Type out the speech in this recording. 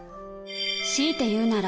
「強いて言うなら」